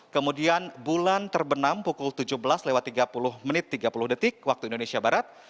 kemudian bulan terbenam pukul tujuh belas tiga puluh tiga puluh waktu indonesia barat